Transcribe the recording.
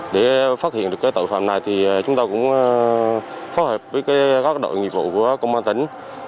để phát hiện được tội phạm này thì chúng ta cũng phó hợp với các đội nghiệp vụ của công an tính